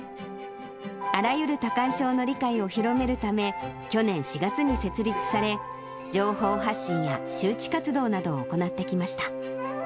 あらゆる多汗症の理解を広めるため、去年４月に設立され、情報発信や周知活動などを行ってきました。